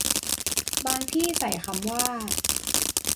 บางที่ใส่คำว่า